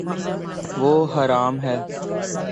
وہ ہرا م ہے